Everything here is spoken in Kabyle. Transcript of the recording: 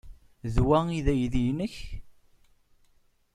D wa ay d aydi-nnek?